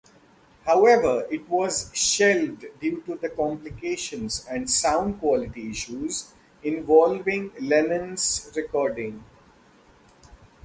However, it was shelved due to complications and sound-quality issues involving Lennon's recording.